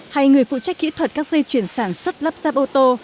hay người phụ trách kỹ thuật các dây chuyển sản xuất lắp ráp ô tô